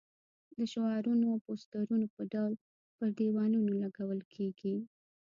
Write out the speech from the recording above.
د شعارونو او پوسټرونو په ډول پر دېوالونو لګول کېږي.